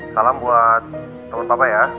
salam buat teman bapak ya